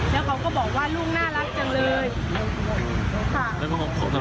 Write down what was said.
แล้วเขาก็บอกว่าลูกน่ารักจังเลย